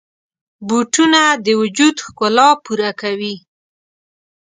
بوټونه د وجود ښکلا پوره کوي.